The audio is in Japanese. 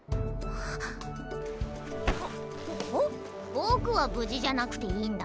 僕は無事じゃなくていいんだ？